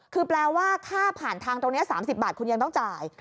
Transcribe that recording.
คือแปลว่าค่าผ่านทางตรงนี้๓๐บาทคุณยังต้องจ่าย